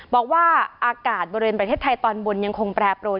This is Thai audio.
บอกว่าอากาศบริเวณประเทศไทยตอนบนยังคงแปรปรวน